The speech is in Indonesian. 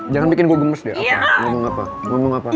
jangan bikin gue gemes deh